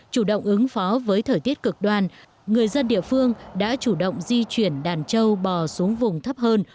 chủ động ứng phó với thời tiết cực đoan người dân địa phương đã chủ động di chuyển đàn châu bò xuống vùng thấp hơn